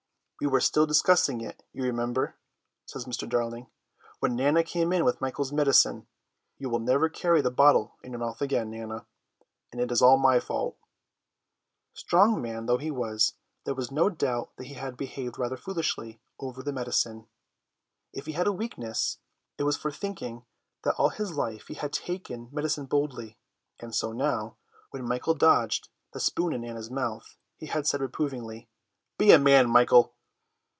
"We were still discussing it, you remember," says Mr. Darling, "when Nana came in with Michael's medicine. You will never carry the bottle in your mouth again, Nana, and it is all my fault." Strong man though he was, there is no doubt that he had behaved rather foolishly over the medicine. If he had a weakness, it was for thinking that all his life he had taken medicine boldly, and so now, when Michael dodged the spoon in Nana's mouth, he had said reprovingly, "Be a man, Michael."